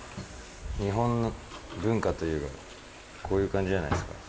日本の文化といえば、こういう感じじゃないですか。